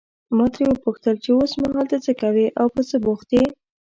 ما ترې وپوښتل چې اوسمهال ته څه کوې او په څه بوخت یې.